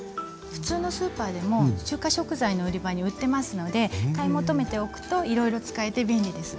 普通のスーパーでも中華食材の売り場に売ってますので買い求めておくといろいろ使えて便利です。